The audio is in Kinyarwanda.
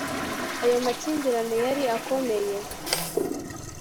ayo makimbirane yari akomeye